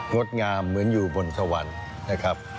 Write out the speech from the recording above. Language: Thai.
ดงามเหมือนอยู่บนสวรรค์นะครับ